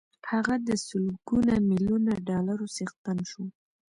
هغه د سلګونه ميليونه ډالرو څښتن شو.